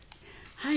はい。